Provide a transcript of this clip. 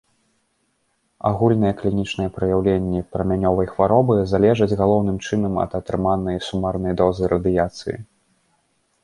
Агульныя клінічныя праяўленні прамянёвай хваробы залежаць галоўным чынам ад атрыманай сумарнай дозы радыяцыі.